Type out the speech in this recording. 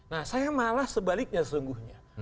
nah saya malah sebaliknya sesungguhnya